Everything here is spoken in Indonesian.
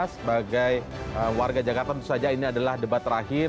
sebagai warga jakarta tentu saja ini adalah debat terakhir